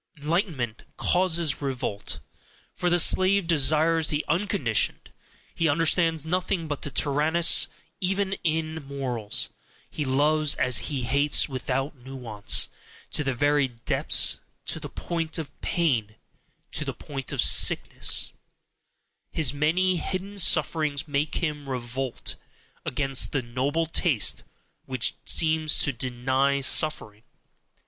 "Enlightenment" causes revolt, for the slave desires the unconditioned, he understands nothing but the tyrannous, even in morals, he loves as he hates, without NUANCE, to the very depths, to the point of pain, to the point of sickness his many HIDDEN sufferings make him revolt against the noble taste which seems to DENY suffering.